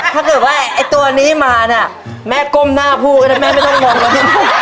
ถ้าเกิดว่าไอ้ตัวนี้มาน่ะแม่ก้มหน้าพูกแม่ไม่ต้องมองเลย